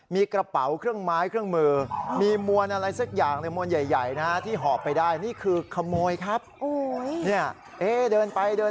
มีกระเป๋าเครื่องม้ายเครื่องมือ